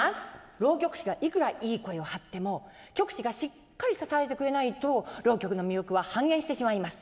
浪曲師がいくらいい声を張っても曲師がしっかり支えてくれないと浪曲の魅力は半減してしまいます。